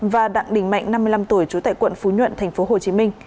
và đặng đình mạnh năm mươi năm tuổi chú tải quận phú nhuận tp hcm